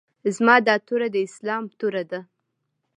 زما دا توره د اسلام توره ده.